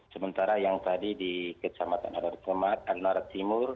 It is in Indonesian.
sementara yang tadi di kecamatan adonarat timur